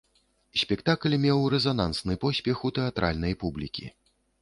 Спектакль меў рэзанансны поспех у тэатральнай публікі.